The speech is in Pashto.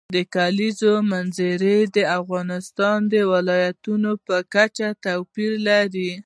د کلیزو منظره د افغانستان د ولایاتو په کچه توپیر لري.